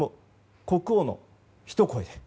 国王のひと声で。